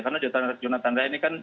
karena jonathan rea ini kan